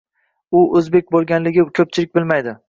U oʻzbek boʻlganligini koʻpchilik bilmaydi.